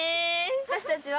私たちは。